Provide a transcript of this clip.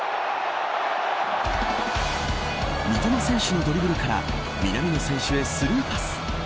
三笘選手のドリブルから南野選手へスルーパス。